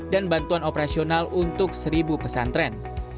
bantuan operasional untuk seribu pesantren